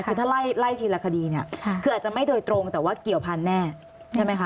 คือถ้าไล่ทีละคดีเนี่ยคืออาจจะไม่โดยตรงแต่ว่าเกี่ยวพันธุ์แน่ใช่ไหมคะ